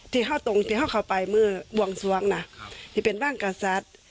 ที่เขาตรงที่เขาเข้าไปเมื่อบวงสวงนะนี่เป็นบ้านกษัตริย์